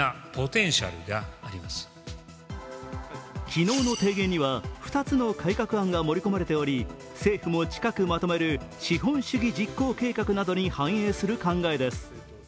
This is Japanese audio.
昨日の提言には、２つの改革案が盛り込まれており政府も近くまとめる資本主義実行計画などに反映する考えです。